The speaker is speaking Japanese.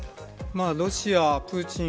ロシア、プーチン